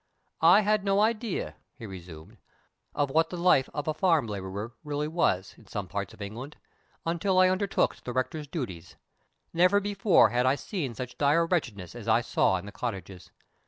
"I had no idea," he resumed, "of what the life of a farm laborer really was, in some parts of England, until I undertook the rector's duties. Never before had I seen such dire wretchedness as I saw in the cottages.